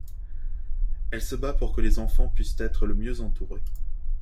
Elle se bat pour que les enfants puissent être le mieux entourés.